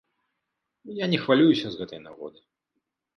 Я не хвалююся з гэтай нагоды.